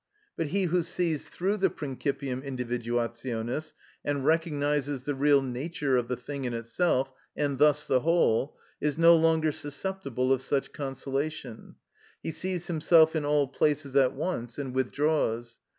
But he who sees through the principium individuationis, and recognises the real nature of the thing in itself, and thus the whole, is no longer susceptible of such consolation; he sees himself in all places at once, and withdraws.